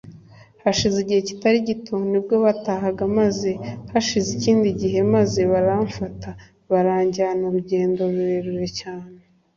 Hashize igihe kitari gito nibwo batahaga maze hashira ikindi gihe maze baramfata baranjyana urugendo rurerure cyane